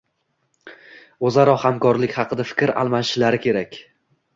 Oʻzaro hamkorlik haqida fikr almashishlari kerak.